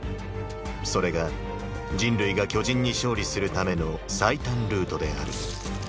それが人類が巨人に勝利するための最短ルートである。